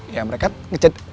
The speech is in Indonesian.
ya mereka ngejad